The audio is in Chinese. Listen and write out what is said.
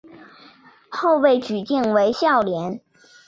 后被举荐为孝廉。